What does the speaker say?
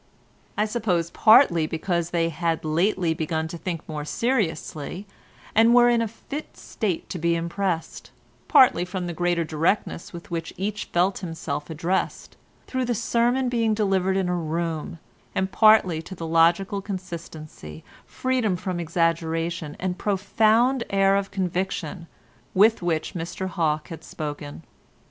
I suppose partly because they had lately begun to think more seriously, and were in a fit state to be impressed, partly from the greater directness with which each felt himself addressed, through the sermon being delivered in a room, and partly to the logical consistency, freedom from exaggeration, and profound air of conviction with which Mr Hawke had spoken.